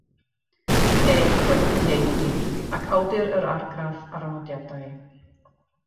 Ef oedd y cyfieithydd ac awdur yr Argraff a'r Nodiadau.